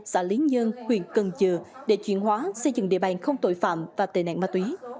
xã lý nhơn huyện cần dừa để chuyển hóa xây dựng địa bàn không tội phạm và tệ nạn ma túy